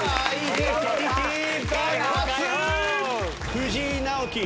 藤井直樹